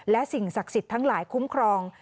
และสิ่งศักดิ์สิทธิ์ทั้งหลายคุ้มครอง